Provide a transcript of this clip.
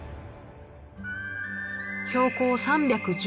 標高３１５ｍ。